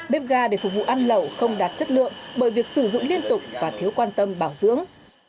bếp ga để phục vụ ăn lẩu không đạt chất lượng bởi việc sử dụng liên tục và thiếu quan tâm bảo dưỡng